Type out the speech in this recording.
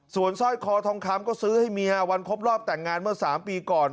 ส่วนสร้อยคอทองคำก็ซื้อให้เมียวันครบรอบแต่งงานเมื่อ๓ปีก่อน